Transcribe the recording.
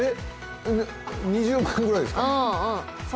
２０万ぐらいですか？